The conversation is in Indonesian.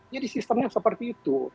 jadi sistemnya seperti itu